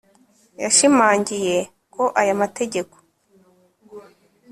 yashimangiye ko aya mategeko